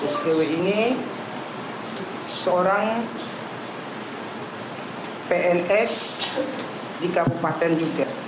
sw ini seorang pns di kabupaten juga